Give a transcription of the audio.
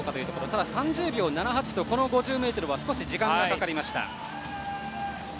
ただ３０秒７８とこの５０ｍは少し時間がかかりました。